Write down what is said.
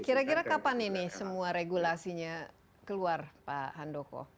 kira kira kapan ini semua regulasinya keluar pak handoko